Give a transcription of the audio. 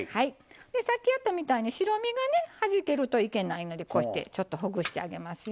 さっきやったみたいに白身がねはじけるといけないのでこうしてちょっとほぐしてあげますよ。